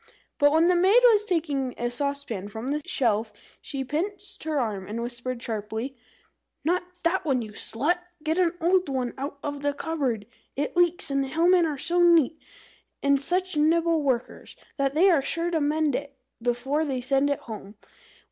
But when the maid was taking a saucepan from the shelf, she pinched her arm, and whispered sharply "Not that, you slut! Get the old one out of the cupboard. It leaks, and the Hillmen are so neat, and such nimble workers, that they are sure to mend it before they send it home.